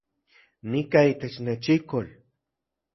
Nika itech nechikol